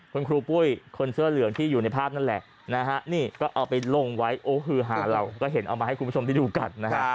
คุณครูปุ้ยคนเสื้อเหลืองที่อยู่ในภาพนั่นแหละนะฮะนี่ก็เอาไปลงไว้โอ้ฮือหาเราก็เห็นเอามาให้คุณผู้ชมได้ดูกันนะฮะ